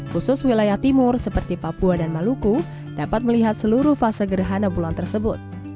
khusus wilayah timur seperti papua dan maluku dapat melihat seluruh fase gerhana bulan tersebut